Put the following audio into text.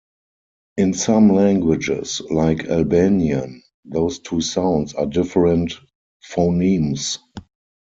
In some languages, like Albanian, those two sounds are different phonemes.